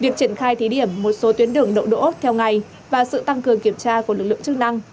việc triển khai thí điểm một số tuyến đường đậu đỗ theo ngày và sự tăng cường kiểm tra của lực lượng chức năng